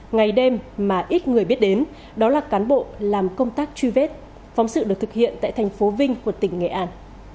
ngày đêm mà ít người biết đến đó là cán bộ làm công tác truy vết phóng sự được thực hiện tại thành phố vinh của tỉnh nghệ an